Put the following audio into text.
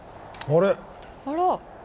あら。